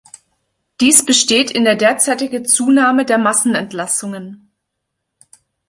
Dies besteht in der derzeitige Zunahme der Massenentlassungen.